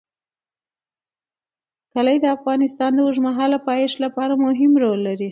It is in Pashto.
کلي د افغانستان د اوږدمهاله پایښت لپاره مهم رول لري.